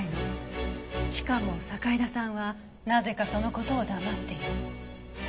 しかも堺田さんはなぜかその事を黙っている。